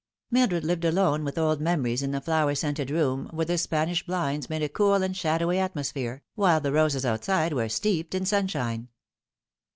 Mildred live^ alone with old memories in the flower scented room, where the Spanish blinds made a cool and shadowy atmo sphere, while the roses outride were steeped in sunshine.